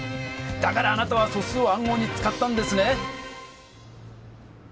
だからあなたは素数を暗号に使ったんですね！